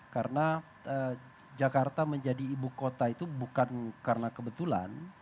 karena jakarta menjadi ibu kota itu bukan karena kebetulan